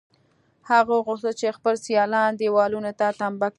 هغه غوښتل چې خپل سیالان دېوالونو ته تمبه کړي